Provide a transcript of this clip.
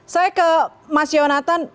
saya ke mas yonatan